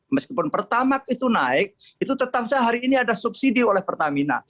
meskipun pertamax itu naik itu tetap saja hari ini ada subsidi oleh pertamina